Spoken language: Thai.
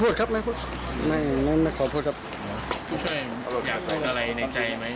ผู้ช่วยอยากพูดอะไรในใจไหม